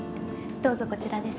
どうぞこちらです。